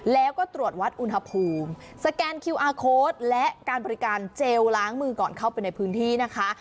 แล้วก็ตรวจวัดอุณหภูมิสแกนคิวอาร์โค้ดและการบริการเจลล้างมือก่อนเข้าไปในพื้นที่นะคะ